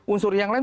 unsur yang lain